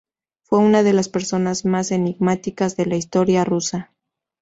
Fue una de las personas más enigmáticas de la historia rusa.